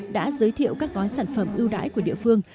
đã giới thiệu các gói sản phẩm ưu đãi của địa phương